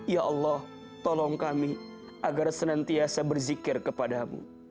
ya allah tolong kami agar senantiasa berzikir kepadamu